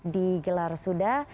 di gelar suda